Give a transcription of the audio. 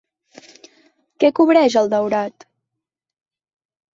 Què cobreix el daurat?